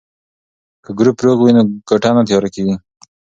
که ګروپ روغ وي نو کوټه نه تیاره کیږي.